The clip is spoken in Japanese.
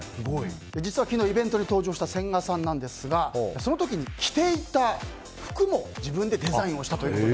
実は昨日イベントに登場した千賀さんなんですがその時に着ていた服も自分でデザインしたということで。